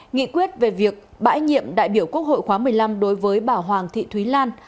nghị quyết về việc bãi nhiệm đại biểu quốc hội khóa một mươi năm đối với bà hoàng thị thúy lan